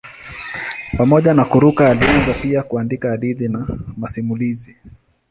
Pamoja na kuruka alianza pia kuandika hadithi na masimulizi.